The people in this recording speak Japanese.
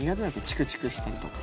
チクチクしたりとか。